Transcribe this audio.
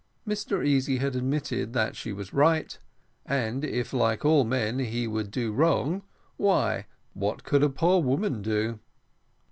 Mr Easy had admitted that she was right, and if like all men he would do wrong, why what could a poor woman do?